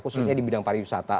maksudnya di bidang pariwisata